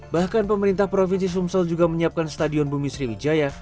bahkan pemerintah provinsi sumsel juga menyiapkan stadion bumi sriwijaya